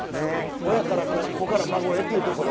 親から子子から孫へっていうところ？